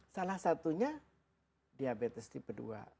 salah satunya diabetes tipe dua